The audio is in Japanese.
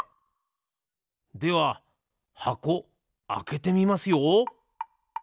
では箱あけてみますよ！